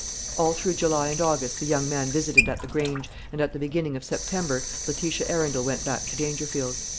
All through July and August the young man visited at the Grange, and at the beginning of September Letitia Arundel went back to Dangerfield.